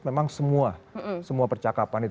memang semua semua percakapan itu